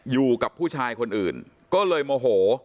อยู่กับผู้ชายคนอื่นก็เลยโมโห